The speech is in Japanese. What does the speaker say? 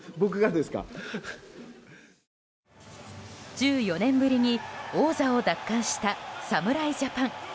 １４年ぶりに王者を奪還した侍ジャパン。